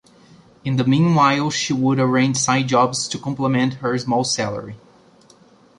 In the meanwhile, she would arrange side jobs to complement her small salary.